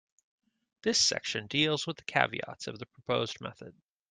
This section deals with the caveats of the proposed method.